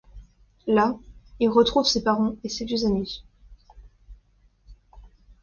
Là, il retrouve ses parents et ses vieux amis.